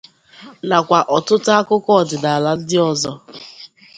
nakwa ọtụtụ akụkọ ọdịnala ndị ọzọ.